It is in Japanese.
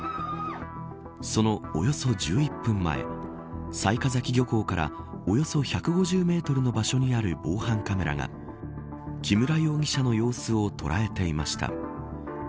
そのおよそ１１分前雑賀崎漁港からおよそ１５０メートルの場所にある防犯カメラが木村容疑者の様子を捉えていました。